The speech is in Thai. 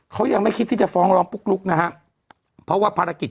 เขายังไม่คิดที่จะฟ้องร้องปุ๊กลุ๊กนะฮะเพราะว่าภารกิจ